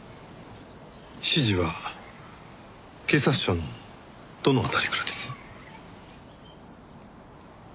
指示は警察庁のどの辺りからです？